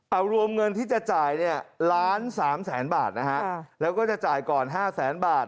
เอารวมเงินที่จะจ่าย๑๓๐๐๐๐๐บาทแล้วก็จะจ่ายก่อน๕๐๐๐๐๐บาท